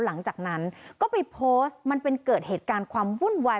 หลังจากนั้นก็ไปโพสต์มันเป็นเกิดเหตุการณ์ความวุ่นวาย